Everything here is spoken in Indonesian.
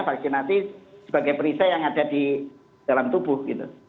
vaksinasi sebagai perisai yang ada di dalam tubuh gitu